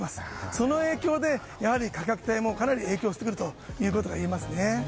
その影響で、価格帯にもかなり影響してくると言えますね。